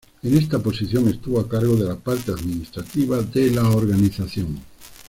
En esta posición estuvo a cargo de la parte administrativa de la organización.